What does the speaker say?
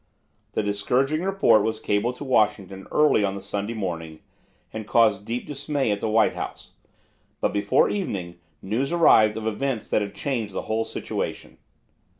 This discouraging report was cabled to Washington early on the Sunday morning, and caused deep dismay at the White House, but before evening news arrived of events that had changed the whole situation.